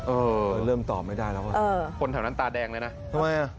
เออเริ่มตอบไม่ได้แล้วอ่ะคนแถวนั้นตาแดงเลยนะทำไมอ่ะ